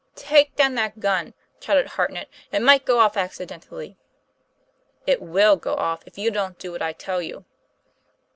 "Take down that gun," chattered Hartnett; "it might go off accidentally." " It will go off if you don't do what I tell you."